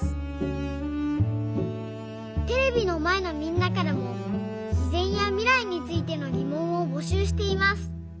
テレビのまえのみんなからもしぜんやみらいについてのぎもんをぼしゅうしています。